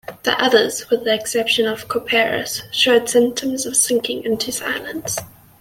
The others, with the exception of Couperus, showed symptoms of sinking into silence.